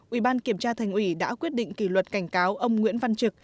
ủy ban kiểm tra thành ủy đã quyết định kỷ luật cảnh cáo ông nguyễn văn trực